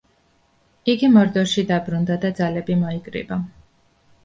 იგი მორდორში დაბრუნდა და ძალები მოიკრიბა.